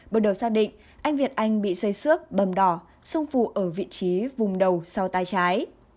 bước đầu xác định anh việt anh bị xây xước bầm đỏ sung phụ ở vị trí vùng đầu sau tay trái